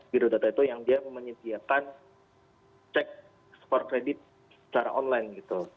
birodata itu yang dia menyediakan cek skor kredit secara online gitu